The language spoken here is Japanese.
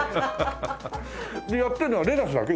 やってるのはレタスだけ？